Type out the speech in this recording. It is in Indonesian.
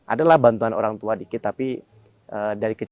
adalah bantuan orang tua dikit tapi dari kecil